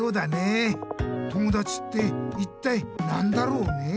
友だちっていったいなんだろうね？